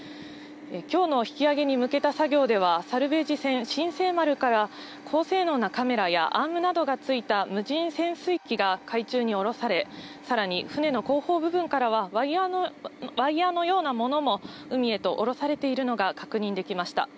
きょうの引き揚げに向けた作業では、サルベージ船、新世丸から高性能なカメラやアームなどがついた無人潜水機が海中に降ろされ、さらに船の後方部分からは、ワイヤーのようなものも海へと降ろされているのが確認できました。